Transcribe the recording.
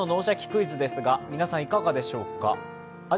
クイズ」ですが、いかがでしょうか。